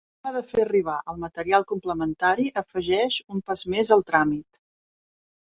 La forma de fer arribar el material complementari afegeix un pas més al tràmit.